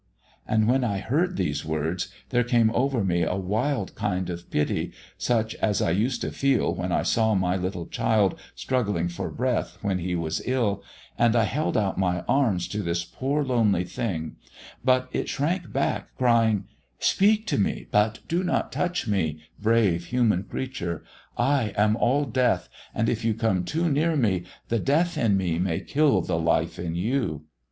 "And when I heard these words there came over me a wild kind of pity, such as I used to feel when I saw my little child struggling for breath when he was ill, and I held out my arms to this poor lonely thing, but it shrank back, crying: "'Speak to me, but do not touch me, brave human creature. I am all death, and if you come too near me the Death in me may kill the life in you.'